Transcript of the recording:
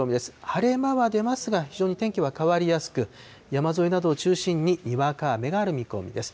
晴れ間は出ますが、非常に天気は変わりやすく、山沿いなどを中心ににわか雨がある見込みです。